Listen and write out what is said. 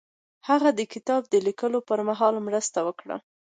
هغه د کتاب لیکلو پر مهال مرسته وکړه.